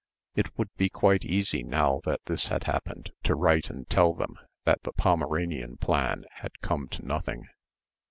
It would be quite easy now that this had happened to write and tell them that the Pomerania plan had come to nothing.